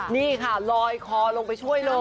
นี่ค่ะลอยคอลงไปช่วยเลย